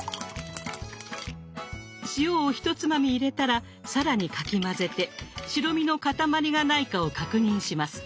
塩をひとつまみ入れたら更にかき混ぜて白身の塊がないかを確認します。